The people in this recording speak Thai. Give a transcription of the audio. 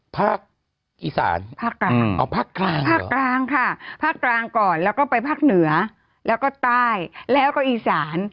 ภาคอีสานภาคกลางเอาภาคกลางภาคกลางค่ะภาคกลางก่อนแล้วก็ไปภาคเหนือแล้วก็ใต้แล้วก็อีสาน